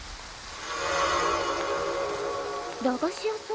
駄菓子屋さん？